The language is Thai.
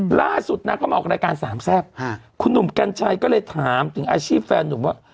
หล่าสุดนะก็มาออกการรายการ๓แทรฟคุณหนุ่มกั้นชัยก็เลยถามจึงอาชีพแฟนหนุ่มว่า